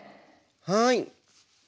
はい。